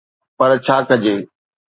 پر ڇا ڪجي؟